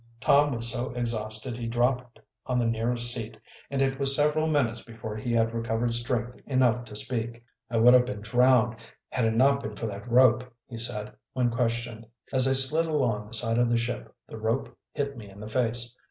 Tom was so exhausted he dropped on the nearest seat, and it was several minutes before he had recovered strength enough to speak. "I would have been drowned had it not been for that rope," he said when questioned. "As I slid along the side of the ship the rope hit me in the face.